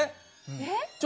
えっ？